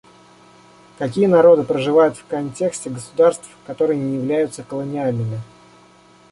Какие народы проживают в контексте государств, которые не являются колониальными?